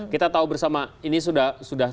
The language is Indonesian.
kita tahu bersama ini sudah terbuka sekali bahwa